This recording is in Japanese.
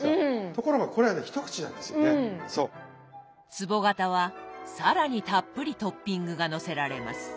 つぼ型は更にたっぷりトッピングがのせられます。